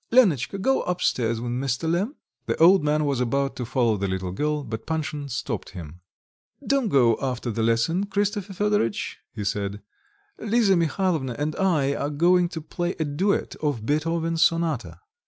Lenotchka, go up stairs with Mr. Lemm." The old man was about to follow the little girl, but Panshin stopped him. "Don't go after the lesson, Christopher Fedoritch," he said. "Lisa Mihalovna and I are going to play a duet of Beethoven's sonata."